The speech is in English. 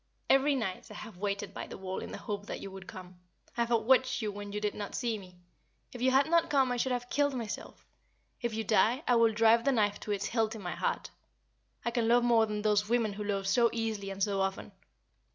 Every night I have waited by the wall in the hope that you would come. I have watched you when you did not see me. If you had not come I should have killed myself; if you die, I will drive the knife to its hilt in my heart. I can love more than those women who love so easily and so often.